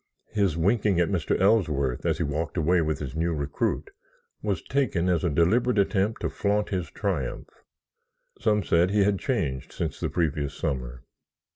His winking at Mr. Ellsworth as he walked away with his new recruit was taken as a deliberate attempt to flaunt his triumph. Some said he had changed since the previous summer.